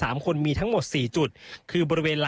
อันนี้คือเต็มร้อยเปอร์เซ็นต์แล้วนะครับ